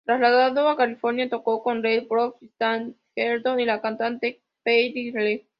Trasladado a California, tocó con Les Brown, Stan Kenton y la cantante Peggy Lee.